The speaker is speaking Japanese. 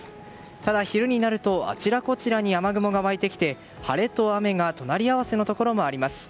ただ、昼になるとあちらこちらに雨雲が湧いてきて晴れと雨が隣り合わせのところもあります。